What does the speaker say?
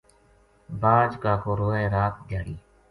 باج کاکو روئے رات دھیا ڑی